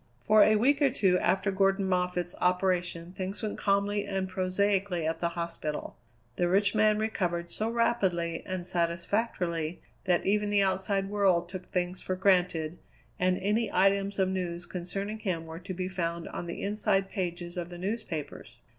For a week or two after Gordon Moffatt's operation things went calmly and prosaically at the hospital. The rich man recovered so rapidly and satisfactorily that even the outside world took things for granted, and any items of news concerning him were to be found on the inside pages of the newspapers.